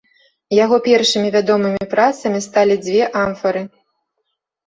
Яго першымі вядомымі працамі сталі дзве амфары.